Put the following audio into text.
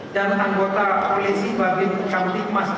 dan anggota apelisi bagi kantin polsek lima